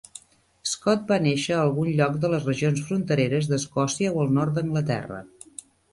Scot va néixer a algun lloc de les regions frontereres d'Escòcia o el nord d'Anglaterra.